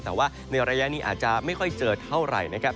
แต่ว่าในระยะนี้อาจจะไม่ค่อยเจอเท่าไหร่นะครับ